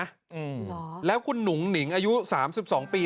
หรือแล้วคุณหนุ่งหนิงอายุ๓๒ปี